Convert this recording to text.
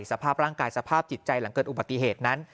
สภาพร่างกายสภาพจิตใจหลังเกิดอุบัติเหตุนั้น